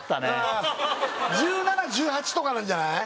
ああ１７１８とかなんじゃない？